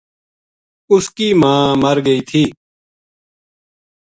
اس کی ماں مر گئی تھی